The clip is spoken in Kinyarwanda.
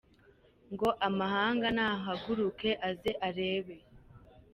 Ngo amahanga nahaguruke aze arebe ?